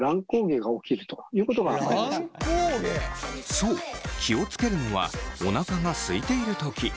そう気を付けるのはおなかがすいている時。